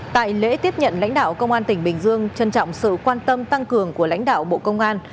tại lễ tiếp nhận lãnh đạo công an tỉnh bình dương trân trọng sự quan tâm tăng cường của lãnh đạo bộ công an